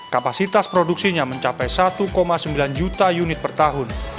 kapasitas produksinya mencapai satu sembilan juta unit per tahun